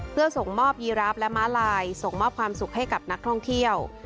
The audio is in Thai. เพื่อส่งมอบยีราฟและม้าลายส่งมอบความสุขให้กับนักท่องเที่ยว